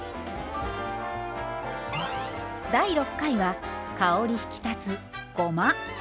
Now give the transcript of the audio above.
第６回は香り引き立つごま。